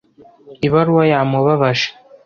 Ibaruwa yamubabaje.